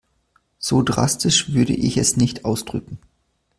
So drastisch würde ich es nicht ausdrücken.